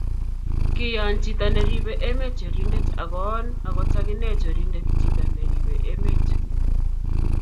kiyoon chito neribe emet chorindet, ago oon agot agine chorindet chito neribe emet